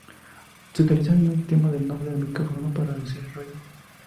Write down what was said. Se utiliza un sistema de doble micrófono para reducir el ruido.